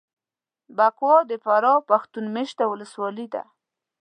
بکوا دفراه پښتون مېشته ولسوالي ده